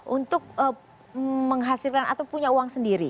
untuk menghasilkan atau punya uang sendiri